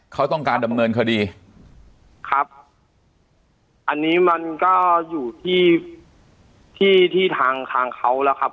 เขาต้องการดำเนินคดีครับอันนี้มันก็อยู่ที่ที่ที่ทางทางเขาแล้วครับ